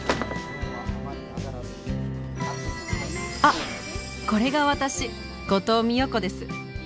あっこれが私後藤美代子です。